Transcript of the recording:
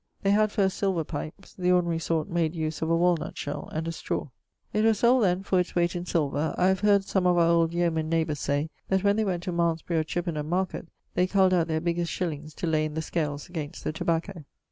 They had first silver pipes; the ordinary sort made use of a walnutshell and a straw. It was sold then for it's wayte in silver. I have heard some[LXX.] of our old yeomen neighbours say that when they went to Malmesbury or Chippenham market, they culled out their biggest shillings to lay in the scales against the tobacco.